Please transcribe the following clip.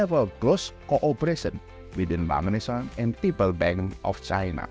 jadi kita memiliki kooperasi yang besar di indonesia dan bank pembangunan china